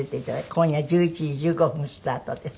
今夜１１時１５分スタートです。